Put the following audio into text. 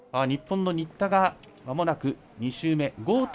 日本の新田がまもなく２周目。